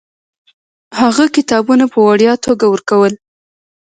هغه کتابونه په وړیا توګه ورکول.